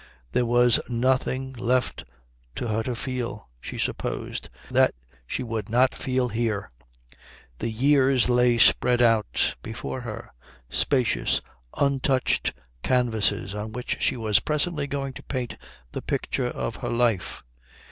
There was nothing left to her to feel, she supposed, that she would not feel here. The years lay spread out before her, spacious untouched canvases on which she was presently going to paint the picture of her life.